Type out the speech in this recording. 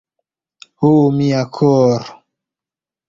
Ho mia kor'